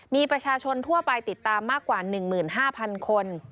มีประชาชนทั่วไปติดตามมากกว่า๑๕๐๐๐คน